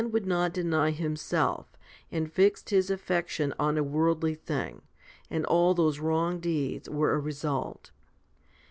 HOMILY V 45 would not deny himself, and fixed his affection on a worldly thing, and all those wrong deeds were a result.